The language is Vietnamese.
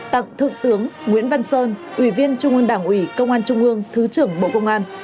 tặng thượng tướng nguyễn văn sơn ủy viên trung ương đảng ủy công an trung ương thứ trưởng bộ công an